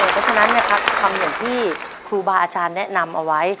ดังนั้นความเห็นที่ครูบาร์อาจารย์แนะนำเอาไว้